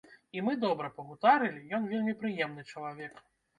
І мы добра пагутарылі, ён вельмі прыемны чалавек.